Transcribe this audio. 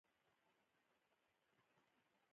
د ژبې خدمت د خلکو پوهول دي نه ګنګسول.